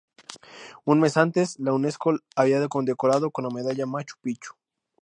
Un mes antes, la Unesco la había condecorado con la medalla Machu Picchu.